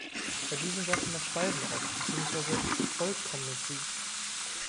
Bei diesem wertet man Speisen auf beziehungsweise „vervollkommnet“ sie.